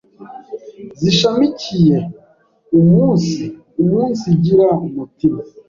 zishamikiye umunsi umunsigira umutima